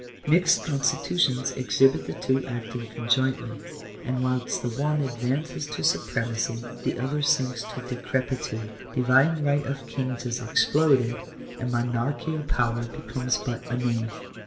Mixed constitutions exhibit the two acting conjointly. And whilst the one advances to supremacy, the other sinks into decrepitude: divine right of kings is exploded, and monarchical power becomes but a name.